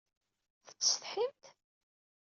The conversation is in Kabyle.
Tettsetḥimt?